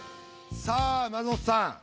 さあ松本さん